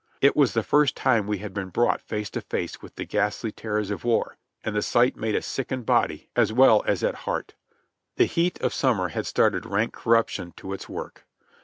It was the first time we had been brought face to face with the ghastly terrors of war, and the sight made us sick in body, as well as at heart. The heat of summer had started rank corruption to its work.